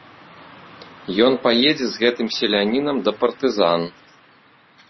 Ён паедзе з гэтым селянінам да партызан.